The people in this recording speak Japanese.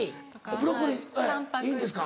ブロッコリーいいんですか？